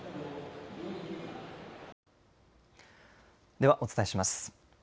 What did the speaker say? ではお伝えします。